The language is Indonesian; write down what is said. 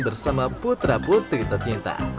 bersama putra putri tercinta